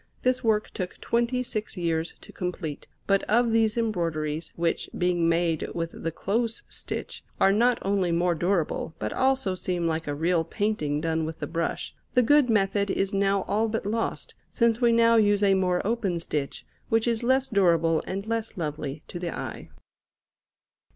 This work took twenty six years to complete; but of these embroideries, which, being made with the close stitch, are not only more durable but also seem like a real painting done with the brush, the good method is now all but lost, since we now use a more open stitch, which is less durable and less lovely to the eye.